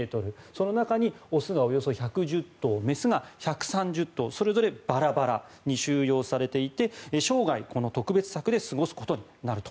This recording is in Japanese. その中に雄がおよそ１１０頭雌が１３０頭それぞれバラバラに収容されていて生涯この特別柵で過ごすことになると。